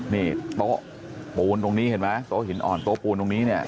นี่โต๊ะปูนตรงนี้เห็นไหมโต๊ะหินอ่อนโต๊ะปูนตรงนี้เนี่ย